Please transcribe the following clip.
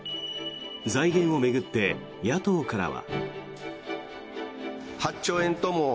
財源を巡って、野党からは。